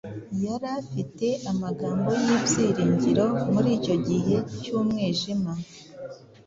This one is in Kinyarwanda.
yari afite amagambo y’ibyiringiro muri icyo gihe cy’umwijima